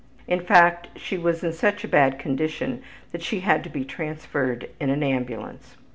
In fact, she was in such a bad condition that she had to be transferred in an ambulance.